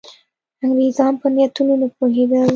انګرېزان په نیتونو نه پوهېدل.